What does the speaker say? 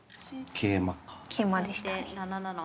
桂馬でしたね。